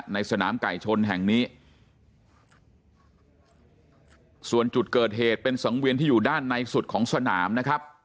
ในสนามไก่ชนแห่งนี้ส่วนจุดเกิดเหตุเป็นสังเวียนที่อยู่ด้านในสุดของสนามนะครับ